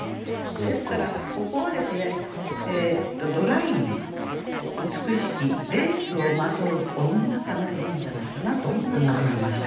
ですからここはドライに「うつくしきレースを纏ふ女かな」でいいんじゃないかなと思いました。